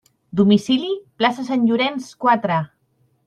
Domicili: plaça Sant Llorenç, quatre.